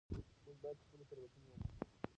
موږ باید خپلې تېروتنې ومنو